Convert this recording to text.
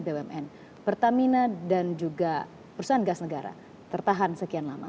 bapak presiden terkait holding bumn pertamina dan juga perusahaan gas negara tertahan sekian lama